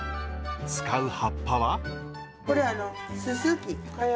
使う葉っぱは。